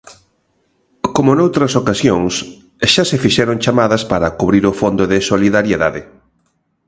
Como noutras ocasións, xa se fixeron chamadas para cubrir o Fondo de Solidariedade.